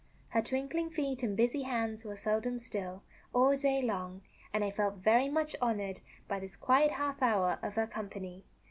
Her twinkling feet and busy hands were seldom still, all day long, and I felt very much honored by this quiet half hour of her company.